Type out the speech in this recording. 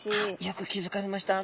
よく気付かれました。